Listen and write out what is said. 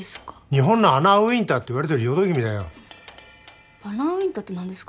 日本のアナ・ウィンターっていわれてる淀君だよアナ・ウィンターって何ですか？